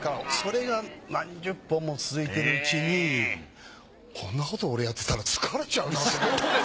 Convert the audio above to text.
それが何十本も続いてるうちにこんなこと俺やってたら疲れちゃうなと。